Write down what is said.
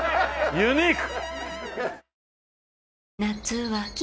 ユニーク！